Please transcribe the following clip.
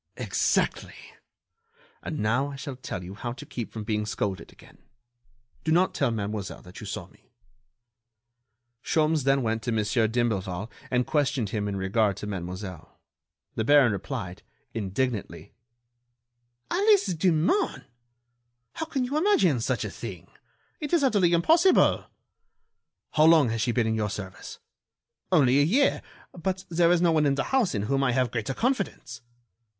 "Exactly! And now I shall tell you how to keep from being scolded again. Do not tell Mademoiselle that you saw me." Sholmes then went to Mon. d'Imblevalle and questioned him in regard to Mademoiselle. The baron replied, indignantly: "Alice Demun! How can you imagine such a thing? It is utterly impossible!" "How long has she been in your service?" "Only a year, but there is no one in the house in whom I have greater confidence."